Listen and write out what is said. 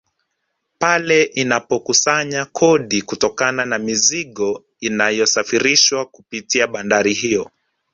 Pale inapokusanya kodi kutokana na mizigo inayosafirishwa kupitia bandari hiyo